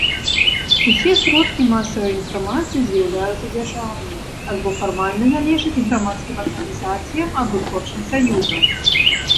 Усё сродкі масавай інфармацыі з'яўляюцца дзяржаўнымі альбо фармальна належаць грамадскім арганізацыям або творчым саюзам.